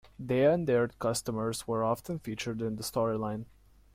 They and their customs were often featured in the storyline.